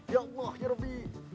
ya allah ya rabbi